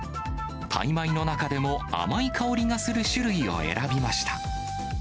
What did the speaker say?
タイ米の中でも、甘い香りがする種類を選びました。